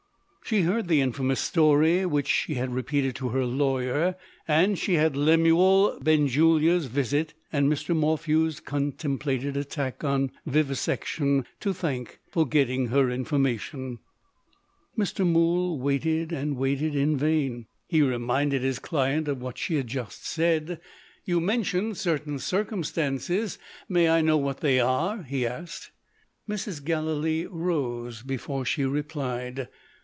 She heard the infamous story, which she had repeated to her lawyer; and she had Lemuel Benjulia's visit, and Mr. Morphew's contemplated attack on Vivisection, to thank for getting her information. Mr. Mool waited, and waited in vain. He reminded his client of what she had just said. "You mentioned certain circumstances. May I know what they are?" he asked. Mrs. Gallilee rose, before she replied.